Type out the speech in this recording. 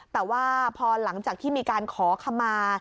แต่ว่าพอหลังจากที่มีการขอคำมา